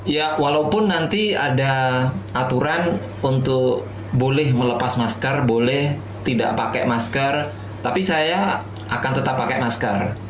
ya walaupun nanti ada aturan untuk boleh melepas masker boleh tidak pakai masker tapi saya akan tetap pakai masker